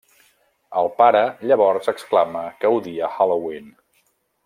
El pare llavors exclama que odia Halloween.